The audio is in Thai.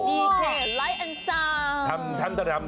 ดีเคลไลท์แอนด์ซาวน์